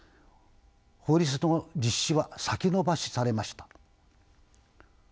法律の実施は先延ばしされました。